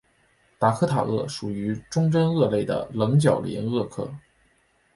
达科塔鳄属于中真鳄类的棱角鳞鳄科。